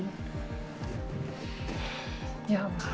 ya allah semoga